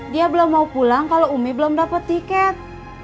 dia belum mau pulang kalo umi belum dapet tiket